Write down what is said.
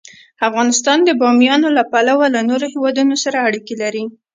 افغانستان د بامیان له پلوه له نورو هېوادونو سره اړیکې لري.